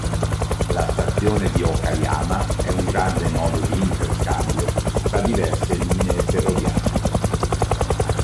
La stazione di Okayama è un grande nodo di interscambio fra diverse linee ferroviarie.